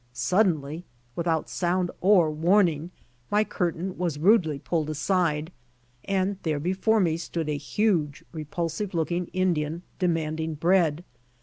Suddenly, without sound or warning, my curtain was rudely pulled aside and there before me stood a huge, repul sive looking Indian demanding bread.